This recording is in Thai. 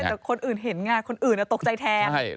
แต่คนอื่นเห็นไงคนอื่นตกใจแทน